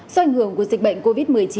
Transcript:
do ảnh hưởng của dịch bệnh covid một mươi chín